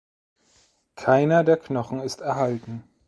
Keiner der Knochen ist erhalten.